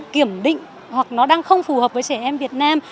kiểm định hoặc nó đang không phù hợp với trẻ em việt nam